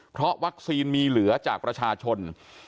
เพราะวัคซีนมีเหลือจากประชาชน